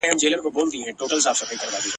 نه مو غوښي پخوي څوک په ځولیو ..